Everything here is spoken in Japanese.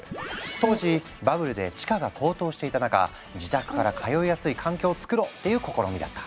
当時バブルで地価が高騰していた中自宅から通いやすい環境をつくろうっていう試みだった。